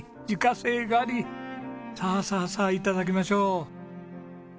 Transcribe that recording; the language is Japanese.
さあさあさあ頂きましょう。